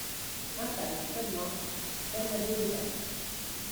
Impasse du Padouen, Bernadets-Debat